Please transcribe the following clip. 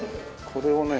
これをね